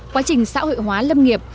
quá trình xã hội hóa lâm nghiệp